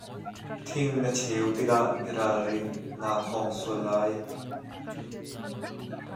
Thing na cheu tikah i ralring, naa khawng sual lai.